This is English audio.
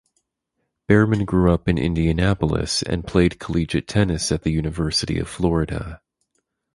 Behrmann grew up in Indianapolis and played collegiate tennis at the University of Florida.